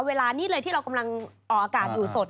เวลานี้เลยที่เรากำลังออกอากาศอยู่สด